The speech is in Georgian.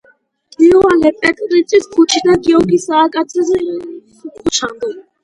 იოანე პეტრიწის ქუჩიდან გიორგი სააკაძის ქუჩამდე.